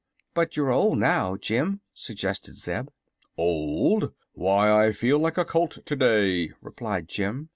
"But you're old, now, Jim," suggested Zeb. "Old! Why, I feel like a colt today," replied Jim.